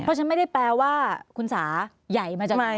เพราะฉะนั้นไม่ได้แปลว่าคุณสาใหญ่มาจากไหน